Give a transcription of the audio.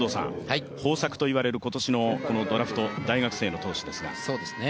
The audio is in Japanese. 豊作と言われる今年のドラフト大学生の投手ですが？